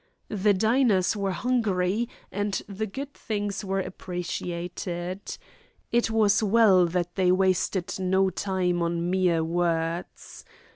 The diners were hungry and the good things were appreciated. It was well that they wasted no time on mere words.